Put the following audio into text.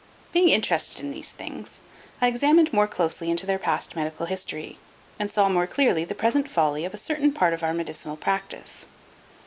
Being interested in these things, I examined more closely into their past medical history, and saw more clearly the present folly of a certain part of our medicinal practice.